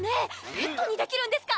ペットにできるんですか？